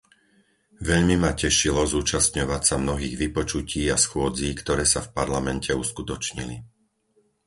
Veľmi ma tešilo zúčastňovať sa mnohých vypočutí a schôdzí, ktoré sa v Parlamente uskutočnili.